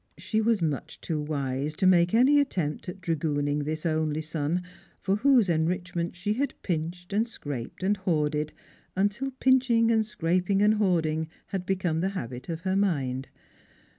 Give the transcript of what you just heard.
She was much too wise to make any attempt at dragooning this only son, for whose en richment she had pinched and scraped and hoarded until pinch ing and scraping and hoarding had become the habit of her mind.